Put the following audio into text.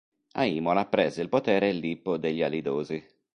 A Imola prese il potere Lippo degli Alidosi.